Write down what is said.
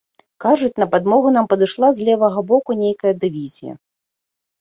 Кажуць, на падмогу нам падышла з левага боку нейкая дывізія.